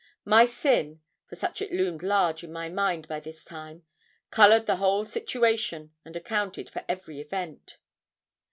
My sin (for such it loomed large in my mind by this time) coloured the whole situation and accounted for every event.